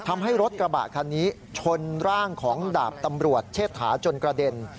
ทำให้รถกระบะคันนี้ชนร่างของดาบตำรวจเชษฐาจนกระเด็น